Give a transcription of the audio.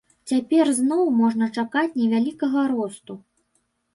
Цяпер зноў можна чакаць невялікага росту.